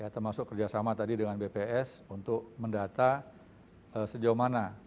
termasuk kerjasama tadi dengan bps untuk mendata sejauh mana